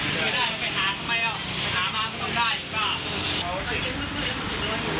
งิดด้ายไปหาทำไมล่ะหามาต้องได้มั้ยบอก